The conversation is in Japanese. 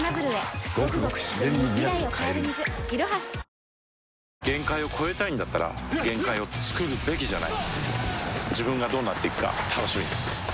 「氷結」限界を越えたいんだったら限界をつくるべきじゃない自分がどうなっていくか楽しみです